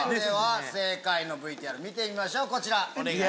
正解のＶＴＲ見てみましょうこちら！